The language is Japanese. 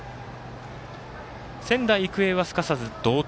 仙台育英は、すかさず同点。